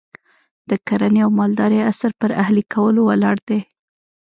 د کرنې او مالدارۍ عصر پر اهلي کولو ولاړ دی.